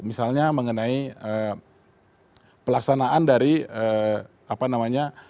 misalnya mengenai pelaksanaan dari apa namanya